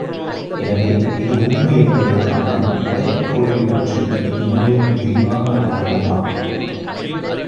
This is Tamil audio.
எனவே, எது உண்மை என்பதைக் காணப் படைப்புக் கொள்கை பற்றி இந்நூலுள் விரிவாக ஆராய்வோமாக!